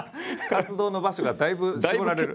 活動の場所がだいぶ絞られる。